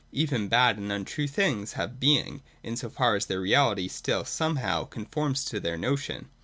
Even bad and untrue things have being, in so far as their reality still, somehow, conforms to their notion.